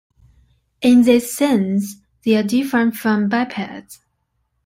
In this sense, they are different from bipeds.